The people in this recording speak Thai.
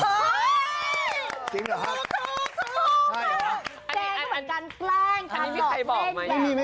แกงคือเป็นการแกล้งทำหลอกเล่น